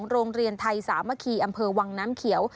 โรงเรียนไทยสามัคคีอำเภอวังน้ำเขียว